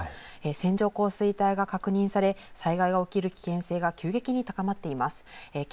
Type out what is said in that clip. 線状降水帯が確認され災害が起きる危険性が急激に高まっています。